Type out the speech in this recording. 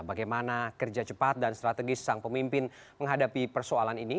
bagaimana kerja cepat dan strategis sang pemimpin menghadapi persoalan ini